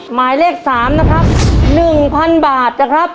หมายเลข๓นะครับ๑๐๐๐บาทนะครับ